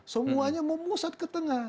semuanya memusat ke tengah